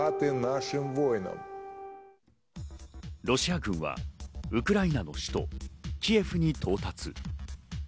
ロシア軍はウクライナの首都、キエフに到達。